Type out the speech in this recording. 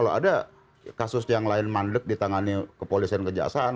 kalau ada kasus yang lain mandek ditangani kepolisian kejaksaan